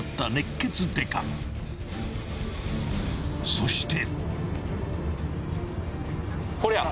［そして］